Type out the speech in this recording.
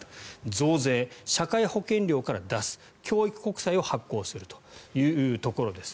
増税、社会保険料から出す教育国債を発行するというところです。